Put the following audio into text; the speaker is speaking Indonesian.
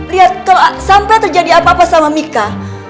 lihat sampai terjadi apa apa sama mika